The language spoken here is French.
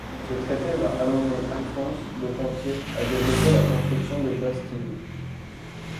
Ce traité va amener Alphonse de Poitiers à développer la construction des bastides.